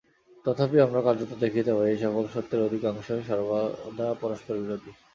তথাপি আমরা কার্যত দেখিতে পাই, এই-সকল সত্যের অধিকাংশই সর্বদা পরস্পর বিরোধী।